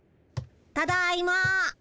ただいま。